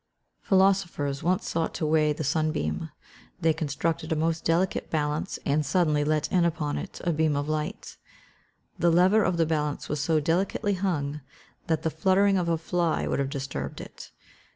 Philosophers once sought to weigh the sunbeam; they constructed a most delicate balance, and suddenly let in upon it a beam of light; the lever of the balance was so delicately hung that the fluttering of a fly would have disturbed it.